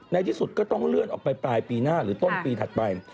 ในที่สุดก็ต้องเลื่อนออกไปปลายปีหน้าหรือต้นปีถัดไป